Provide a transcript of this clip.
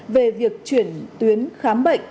về việc chuyển tuyến khám bệnh